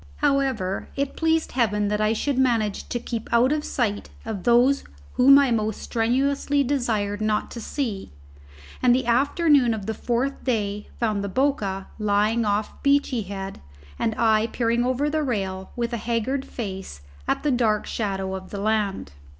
However, it pleased heaven that I should manage to keep out of sight of those whom I most strenuously desired not to see; and the afternoon of the fourth day found the Boca lying off Beachy Head, and I peering over the rail, with a haggard face, at the dark shadow of the land.